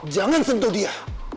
jangan sentuh dia